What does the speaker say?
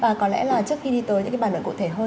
và có lẽ là trước khi đi tới những bàn luận cụ thể hơn